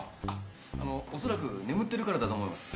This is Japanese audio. あのおそらく眠ってるからだと思います。